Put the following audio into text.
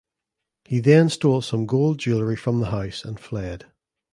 He then stole some gold jewellery from the house and fled.